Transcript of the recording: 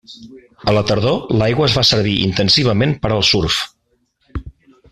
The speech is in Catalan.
A la tardor l'aigua es fa servir intensivament per al surf.